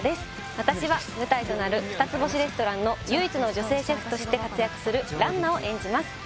私は舞台となる二つ星レストランの唯一の女性シェフとして活躍する蘭菜を演じます